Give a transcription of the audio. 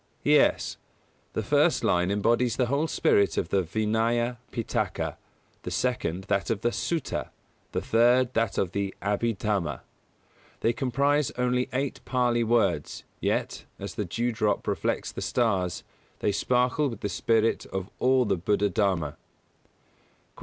Yes: the first line embodies the whole spirit of the Vinaya Pitaka, the second that of the Sutta, the third that of the Abhidhamma. They comprise only eight Pālī words, yet, as the dew drop reflects the stars, they sparkle with the spirit of all the Buddha Dharma. 148.